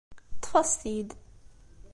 Ṭṭef-as-t-id.